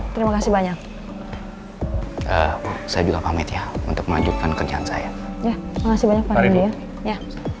terima kasih banyak saya juga pamit ya untuk melanjutkan kerjaan saya ya makasih banyak ya ya